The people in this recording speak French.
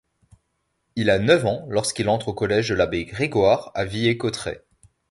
Il a neuf ans lorsqu'il entre au collège de l'abbé Grégoire à Villers-Cotterêts.